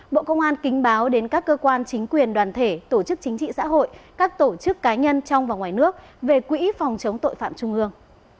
bộ công an kính báo đến các cơ quan chính quyền đoàn thể tổ chức chính trị xã hội các tổ chức cá nhân trong và ngoài nước về quỹ phòng chống tội phạm trung ương